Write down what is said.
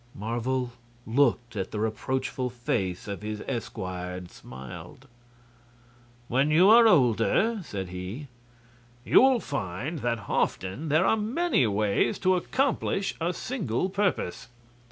Marvel looked at the reproachful face of his esquire and smiled. "When you are older," said he, "you will find that often there are many ways to accomplish a single purpose.